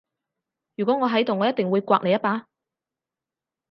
如果我喺度我一定會摑你一巴